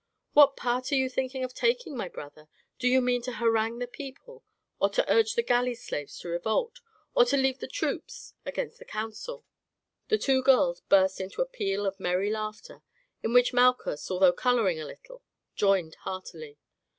What part are you thinking of taking, my brother, do you mean to harangue the people, or to urge the galley slaves to revolt, or to lead the troops against the council?" The two girls burst into a peal of merry laughter, in which Malchus, although colouring a little, joined heartily.